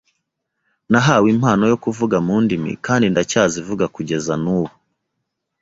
nahawe impano yo kuvuga mu ndimi kandi ndacyazivuga kugeza n’ubu